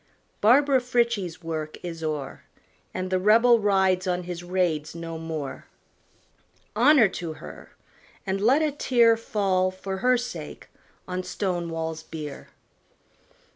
Barbara Frietchie's work is o'er. And the Rebel rides on his raids no more. Honor to her! and let a tear Fall, for her sake, on Stonewall's bier.